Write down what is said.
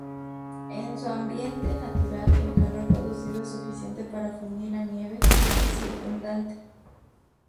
En su ambiente natural el calor producido es suficiente para fundir la nieve circundante.